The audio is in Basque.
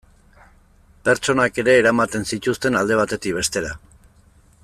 Pertsonak ere eramaten zituzten alde batetik bestera.